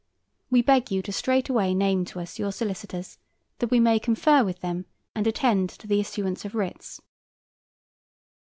We beg you to straightway name to us your solicitors, that we may confer with them and attend to the issuance of the writs.